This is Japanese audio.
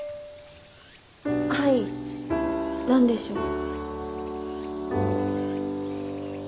はい何でしょう？